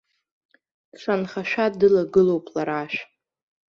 Дшанхашәа дылагылоуп лара ашә.